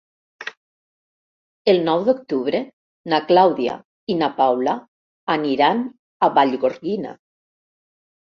El nou d'octubre na Clàudia i na Paula aniran a Vallgorguina.